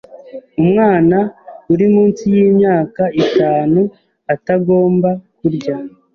umwana uri munsi y’imyaka itanu atagomba kurya